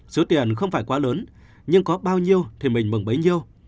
số tiền không phải quá lớn nhưng có bao nhiêu thì mình mừng bấy nhiêu